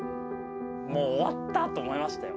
もう終わったと思いましたよ。